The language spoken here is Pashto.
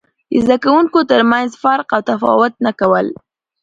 د زده کوونکو ترمنځ فرق او تفاوت نه کول.